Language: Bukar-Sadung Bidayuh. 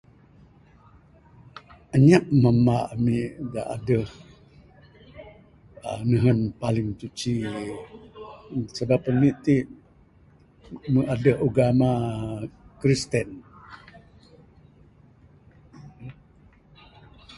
Anyap mamba ami da adeh nehen paling suci...sabab ami ti mbuh adeh ugama Kristen.